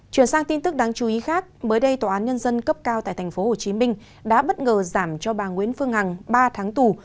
chuyển sang tin tức đáng chú ý khác mới đây tòa án nhân dân cấp cao tại tp hcm đã bất ngờ giảm cho bà nguyễn phương hằng ba tháng tù